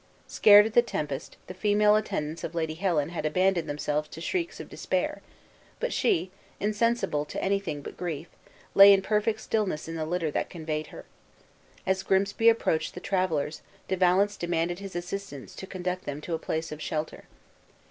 Scared at the tempest, the female attendants of Lady Helen had abandoned themselves to shrieks of despair; but she, insensible to anything but grief, lay in perfect stillness in the litter that conveyed her. As Grimsby approached the travelers, De Valence demanded his assistance to conduct them to a place of shelter.